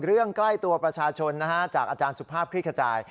เรื่องใกล้ตัวประชาชนนะฮะจากอาจารย์สุภาพคลิกขจาย